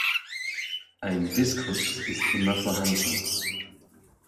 Ein Diskus ist immer vorhanden.